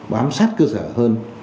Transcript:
bám sát cơ sở hơn